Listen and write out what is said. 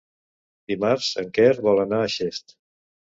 Dimarts en Quer vol anar a Xest.